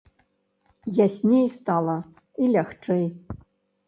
Ясней стала і лягчэй.